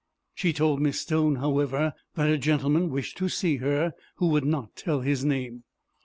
She told Miss Stone, however, that a gentleman wished to see her, who would not tell his name.